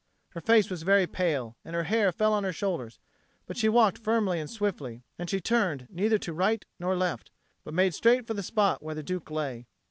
Her face was very pale, and her hair fell on her shoulders; but she walked firmly and swiftly, and she turned neither to right nor left, but made straight for the spot where the Duke lay.